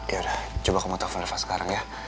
yaudah coba kamu telfon reva sekarang ya